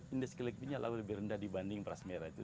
indeks gilaikimiknya lebih rendah dibanding beras merah itu